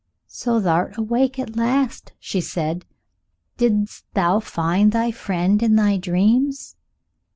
"So thou'rt awake at last," she said. "Did'st thou find thy friend in thy dreams?"